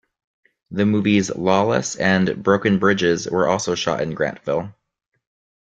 The movies "Lawless" and "Broken Bridges" were also shot in Grantville.